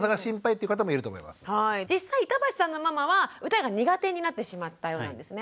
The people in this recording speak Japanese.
実際板橋さんのママは歌が苦手になってしまったようなんですね。